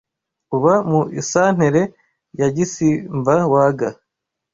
uba mu isantere ya Gisimbawaga,